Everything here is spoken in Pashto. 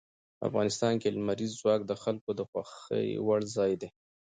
افغانستان کې لمریز ځواک د خلکو د خوښې وړ ځای دی.